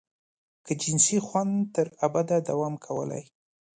که جنسي خوند تر ابده دوام کولای.